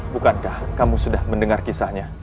bukankah kamu sudah mendengar kisahnya